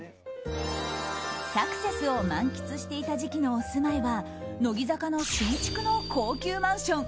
サクセスを満喫していた時期のお住まいは乃木坂の新築の高級マンション。